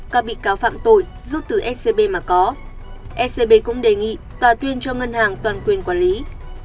các bị cáo phạm tội rút từ scb mà có scb cũng đề nghị tòa tuyên cho ngân hàng toàn quyền quản lý